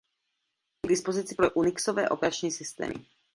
Je k dispozici pro unixové operační systémy.